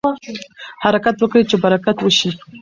حرکت وکړئ چې برکت وشي.